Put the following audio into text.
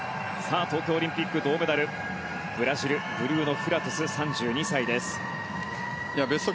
東京オリンピック銅メダルブラジルブルーノ・フラトゥス、３２歳。